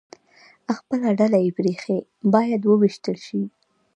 خپله ډله یې پرې ایښې، باید ووېشتل شي.